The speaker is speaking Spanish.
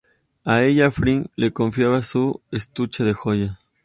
A ella Frigg le confiaba su estuche de joyas.